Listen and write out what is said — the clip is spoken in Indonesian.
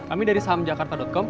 kami dari sahamjakarta com